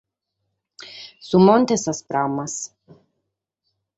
Su monte de sas pramas.